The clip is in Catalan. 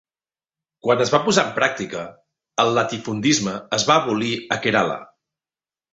Quan es va posar en pràctica, el latifundisme es va abolir a Kerala.